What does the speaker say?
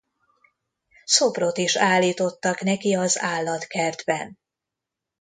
Szobrot is állítottak neki az állatkertben.